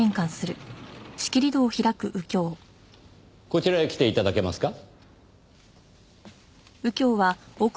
こちらへ来て頂けますか？